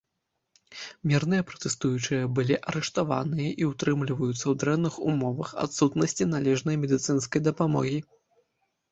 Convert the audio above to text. Мірныя пратэстуючыя былі арыштаваныя і ўтрымліваюцца ў дрэнных умовах адсутнасці належнай медыцынскай дапамогі.